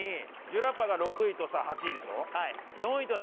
ジュラパが６位と８位でしょ？